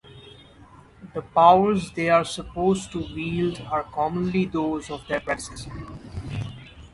The powers they are supposed to wield are commonly those of their predecessor.